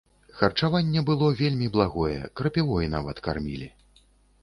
Харчаванне было вельмі благое, крапівой нават кармілі.